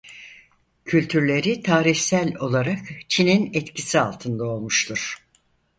Kültürleri tarihsel olarak Çin'in etkisi altında olmuştur.